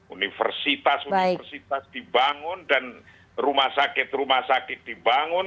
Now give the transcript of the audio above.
universitas universitas dibangun dan rumah sakit rumah sakit dibangun